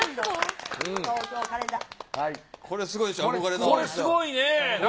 これすごいね。